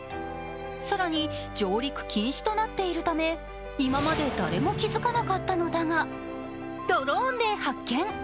更に、上陸禁止となっているため今まで誰も気付かなかったのだが、ドローンで発見。